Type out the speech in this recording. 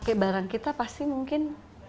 kayak barang kita pasti mungkin